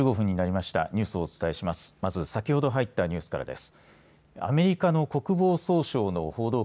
まず先ほど入ったニュースからです。